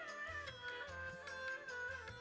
aku mau ke rumah